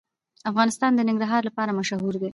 افغانستان د ننګرهار لپاره مشهور دی.